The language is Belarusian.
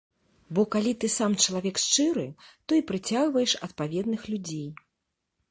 Бо калі ты сам чалавек шчыры, то і прыцягваеш адпаведных людзей.